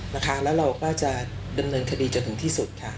แล้วเราก็จะดำเนินคดีจนถึงที่สุดค่ะ